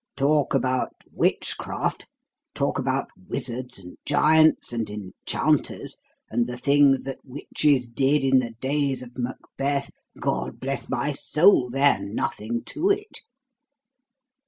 Talk about witchcraft! Talk about wizards and giants and enchanters and the things that witches did in the days of Macbeth! God bless my soul, they're nothing to it.